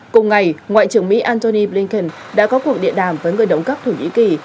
cùng ngày ngoại trưởng mỹ antony blinken đã có cuộc điện đàm với người đồng cấp thổ nhĩ kỳ